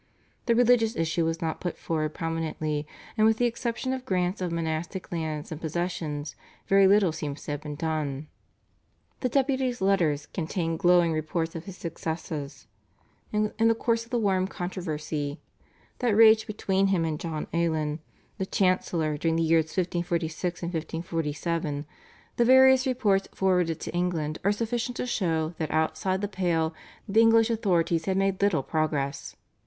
The religious issue was not put forward prominently, and with the exception of grants of monastic lands and possessions very little seems to have been done. The Deputy's letters contain glowing reports of his successes. In the course of the warm controversy that raged between him and John Alen, the Chancellor, during the years 1546 and 1547, the various reports forwarded to England are sufficient to show that outside the Pale the English authorities had made little progress.